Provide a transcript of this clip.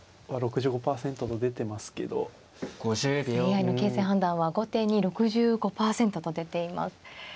ＡＩの形勢判断は後手に６５％と出ています。